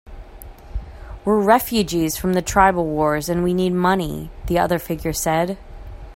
"We're refugees from the tribal wars, and we need money," the other figure said.